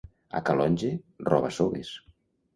A Calonge, roba-sogues.